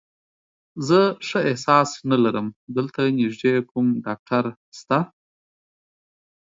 زه ښه احساس نه لرم، دلته نږدې کوم ډاکټر شته؟